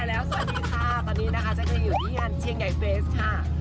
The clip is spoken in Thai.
สวัสดีค่ะตอนนี้นะคะจะอยู่ที่เชียงใหญ่เฟสค่ะ